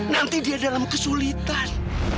nanti dia dalam kesulitan